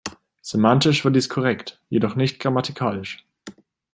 Semantisch war dies korrekt, jedoch nicht grammatikalisch.